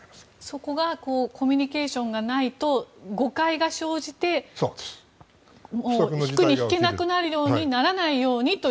そこがコミュニケーションがないと誤解が生じて引くに引けなくなるようにならないようにと。